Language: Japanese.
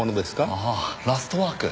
ああ『ラストワーク』。